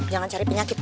jangan cari penyakit